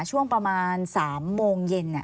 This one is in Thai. ช่วงประมาณ๓โมงเย็น